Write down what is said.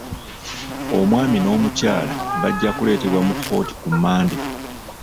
Omwami n'omukyala bajja kuleetebwa mu kkooti ku Mande.